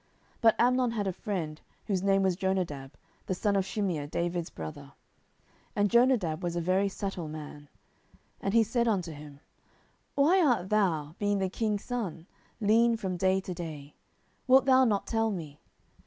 10:013:003 But Amnon had a friend, whose name was Jonadab, the son of Shimeah David's brother: and Jonadab was a very subtil man. 10:013:004 And he said unto him, Why art thou, being the king's son, lean from day to day? wilt thou not tell me?